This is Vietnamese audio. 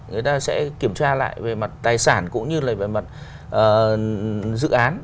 người ta sẽ kiểm tra lại về mặt tài sản cũng như là về mặt dự án